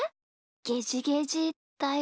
ゲジゲジだよ。